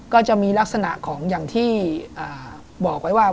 ก็จะมีลักษณะของอย่างที่บอกไว้ว่า